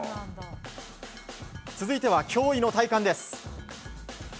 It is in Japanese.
続いては驚異の体幹です。